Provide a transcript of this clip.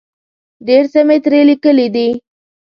ډېر څه مې ترې لیکلي دي.